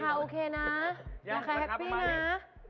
ราคาโอเคนะราคาแฮปปี้นะ